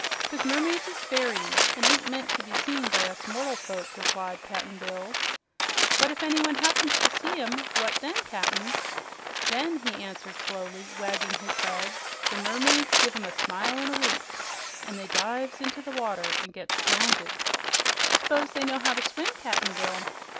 "'Cause mermaids is fairies, an' ain't meant to be seen by us mortal folk," replied Cap'n Bill. "But if anyone happens to see 'em, what then, Cap'n?" "Then," he answered, slowly wagging his head, "the mermaids give 'em a smile an' a wink, an' they dive into the water an' gets drownded." "S'pose they knew how to swim, Cap'n Bill?"